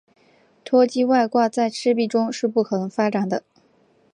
脱机外挂在赤壁中是不可能发展的。